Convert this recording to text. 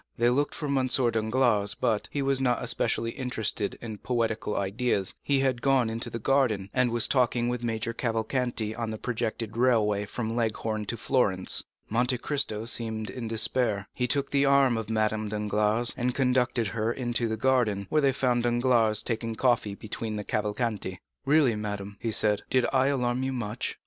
They looked for M. Danglars, but, as he was not especially interested in poetical ideas, he had gone into the garden, and was talking with Major Cavalcanti on the projected railway from Leghorn to Florence. Monte Cristo seemed in despair. He took the arm of Madame Danglars, and conducted her into the garden, where they found Danglars taking coffee between the Cavalcanti. "Really, madame," he said, "did I alarm you much?"